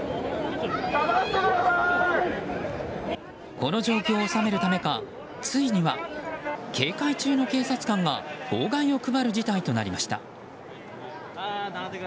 この状況を収めるためかついには警戒中の警察官が号外を配る事態となりました。